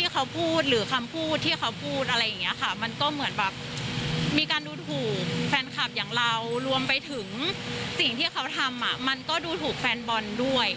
การที่เขาทำมันก็ดูถูกแฟนบอลด้วย